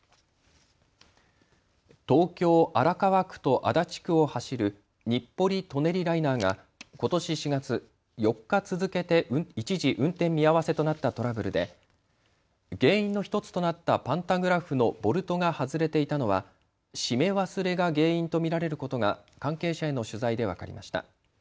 東京荒川区と足立区を走る日暮里・舎人ライナーがことし４月、４日続けて一時、運転見合わせとなったトラブルで原因の１つとなったパンタグラフのボルトが外れていたのは締め忘れが原因と見られることが関係者への取材で分かりました。